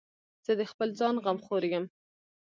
زه د خپل ځان غمخور یم.